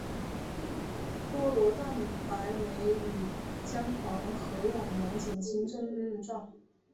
菠萝蛋白酶与姜黄合用能减轻症状。